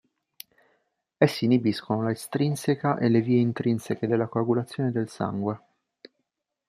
Essi inibiscono la estrinseca e le vie intrinseche della coagulazione del sangue.